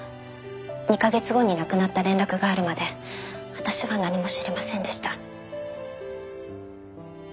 ２カ月後に亡くなった連絡があるまで私は何も知りませんでした。